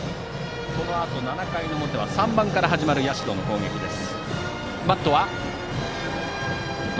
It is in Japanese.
このあと７回の表は３番から始まる社の攻撃です。